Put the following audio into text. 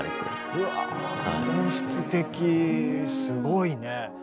すごいね。